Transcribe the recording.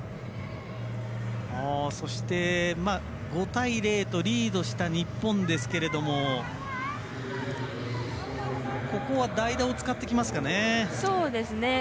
そして５対０とリードした日本ですけれどもここは代打を使ってきますかね。